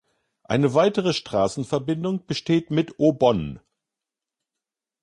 Eine weitere Straßenverbindung besteht mit Aubonne.